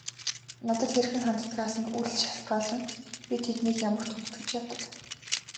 Надад хэрхэн ханддагаас нь үл шалтгаалан би тэднийг ямагт хүндэтгэж явдаг.